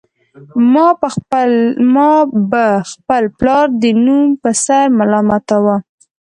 ما به خپل پلار د نوم په سر ملامتاوه